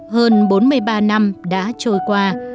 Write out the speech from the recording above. hơn bốn mươi ba năm đã trôi qua